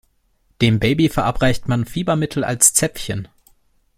Dem Baby verabreicht man Fiebermittel als Zäpfchen.